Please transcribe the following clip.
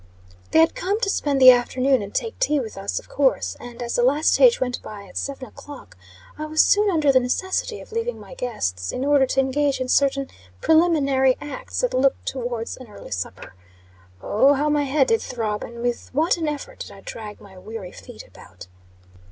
They had come to spend the afternoon, and take tea with us, of course, and, as the last stage went by at seven o'clock, I was soon under the necessity of leaving my guests, in order to engage in certain preliminary acts that looked towards an early supper. Oh, how my head did throb; and with what an effort did I drag my weary feet about!